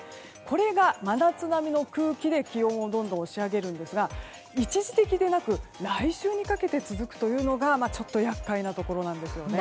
これが真夏並みの空気で気温をどんどん押し上げるんですが一時的でなく来週にかけて続くというのがちょっと厄介なところなんですよね。